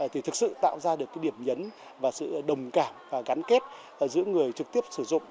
thì thực sự tạo ra được cái điểm nhấn và sự đồng cảm và gắn kết giữa người trực tiếp sử dụng